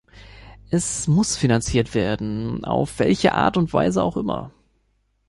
Es muss finanziert werden, auf welche Art und Weise auch immer.